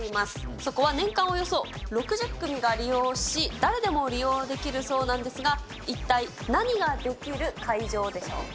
そこは年間およそ６０組が利用し、誰でも利用できるそうなんですが、一体、何ができる会場でしょうか。